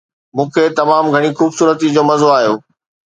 مون کي تمام گهڻي خوبصورتي جو مزو آيو